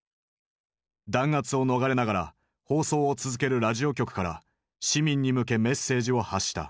弾圧を逃れながら放送を続けるラジオ局から市民に向けメッセージを発した。